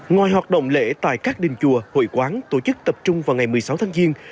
ngoài hoạt động lễ tại các đình chùa hội quán tổ chức tập trung vào ngày một mươi sáu tháng giêng